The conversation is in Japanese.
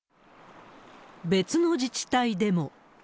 別の自治体でも。